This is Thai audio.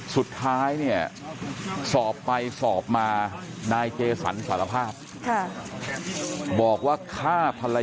สุดท้ายเนี่ยสอบไปสอบมานายเจสันสารภาพ